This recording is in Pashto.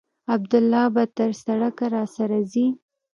عبدالله به تر سړکه راسره ځي.